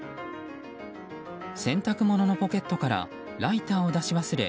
洗濯物のポケットからライターを出し忘れ